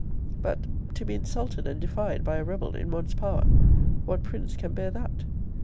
But, to be insulted and defied by a rebel in one's power, what prince can bear that?